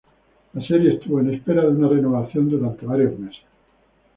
La serie estuvo en espera de una renovación durante varios meses.